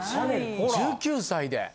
１９歳で。